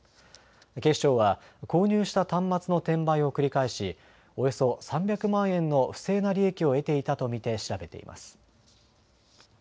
警視庁は購入した端末の転売を繰り返し、およそ３００万円の不正な利益を得ていたと見て調べています。